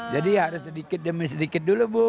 jadi harus sedikit demi sedikit dulu bu